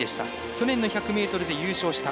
去年の１００ｍで優勝した。